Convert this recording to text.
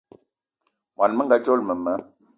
Món menga dzolo mema